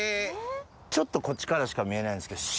ちょっとこっちからしか見えないんですけど。